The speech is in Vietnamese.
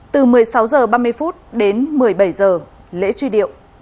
từ một mươi sáu h ba mươi đến một mươi bảy h lễ truy điệu